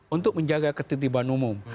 untuk menjaga ketitipan umum